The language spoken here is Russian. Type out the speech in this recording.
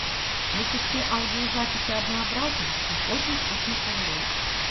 Если все аудиозаписи однообразны, их очень скучно проверять.